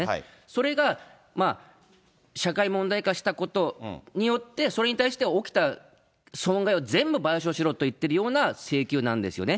それが社会問題化したことによって、それに対して起きた損害を全部賠償しろといってるような請求なんですよね。